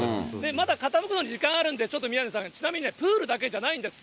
まだ傾くのに時間があるんで、ちょっと宮根さん、ちなみにプールだけじゃないんです。